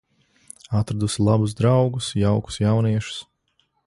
Atradusi labus draugus, jaukus jauniešus.